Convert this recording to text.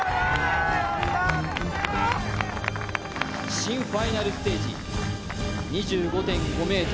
新ファイナルステージ２５．５ｍ。